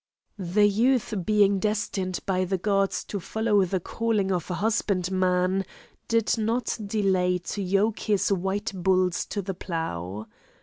The youth being destined by the gods to follow the calling of a husbandman, did not delay to yoke his white bulls to the plough.